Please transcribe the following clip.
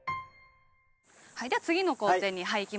では次の工程にいきましょう。